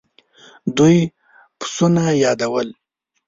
دوی پسونه يادول.